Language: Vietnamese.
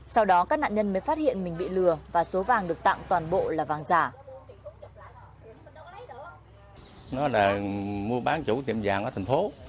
sau đó các nạn nhân mới phát hiện mình bị lừa và số vàng được tặng toàn bộ là vàng giả